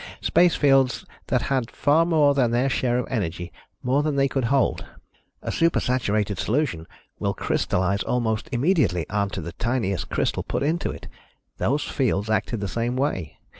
Space fields that had far more than their share of energy, more than they could hold. A super saturated solution will crystalize almost immediately onto the tiniest crystal put into it. Those fields acted the same way.